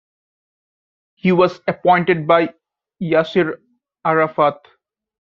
He was appointed by Yasser Arafat.